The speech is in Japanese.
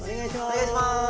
お願いしまーす！